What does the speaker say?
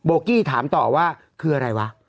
กี้ถามต่อว่าคืออะไรวะ